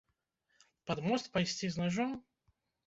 Пад мост пайсці з нажом?